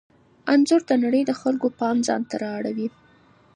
انځور د نړۍ د خلکو پام ځانته را اړوي.